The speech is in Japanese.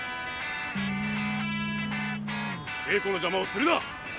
稽古の邪魔をするな。